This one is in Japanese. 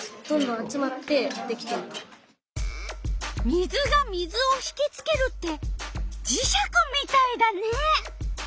水が水をひきつけるってじ石みたいだね！